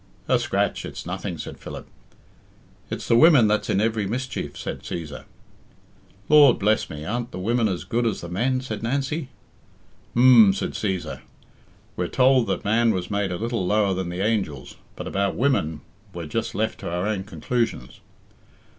"A scratch it's nothing," said Philip. "It's the women that's in every mischief," said Cæsar. "Lord bless me, aren't the women as good as the men?" said Nancy. "H'm," said Cæsar. "We're told that man was made a little lower than the angels, but about women we're just left to our own conclusions."